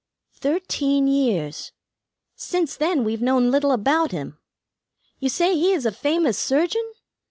"Thirteen years. Since then we've known little about him. You say he is a famous surgeon?